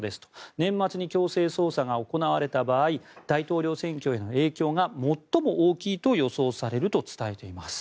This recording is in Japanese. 年末に強制捜査が行われた場合大統領選挙への影響が最も大きいと予想されると伝えています。